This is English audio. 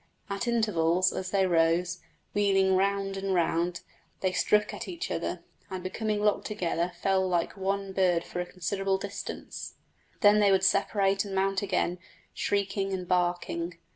At intervals as they rose, wheeling round and round, they struck at each other, and becoming locked together fell like one bird for a considerable distance; then they would separate and mount again, shrieking and barking.